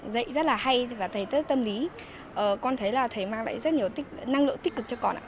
dạy rất là hay và thầy rất tâm lý con thấy là thầy mang lại rất nhiều năng lượng tích cực cho con ạ